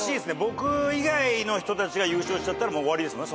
僕以外の人たちが優勝しちゃったら終わりですもんね